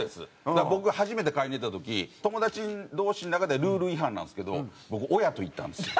だから僕が初めて買いに行った時友達同士の中ではルール違反なんですけど僕親と行ったんですよ。